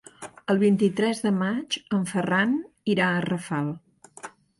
El vint-i-tres de maig en Ferran irà a Rafal.